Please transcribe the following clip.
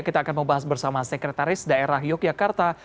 kita akan membahas bersama sekretaris daerah yogyakarta